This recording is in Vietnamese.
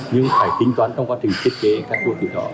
nhưng phải tính toán trong quá trình thiết kế các đô thị đó